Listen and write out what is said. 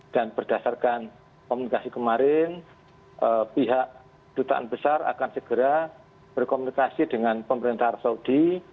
dan berdasarkan komunikasi kemarin pihak kedutaan besar akan segera berkomunikasi dengan pemerintah arab saudi